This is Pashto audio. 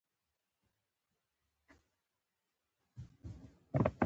که بيټسمېن ښه ولوبېږي، زیات رنزونه جوړوي.